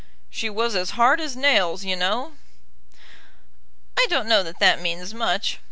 "She was as hard as nails, you know." "I don't know that that means much.